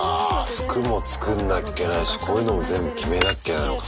服も作んなきゃいけないしこういうのも全部決めなきゃいけないのか。